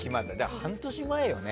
半年前よね。